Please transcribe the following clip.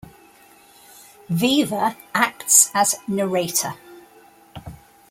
Viva acts as narrator.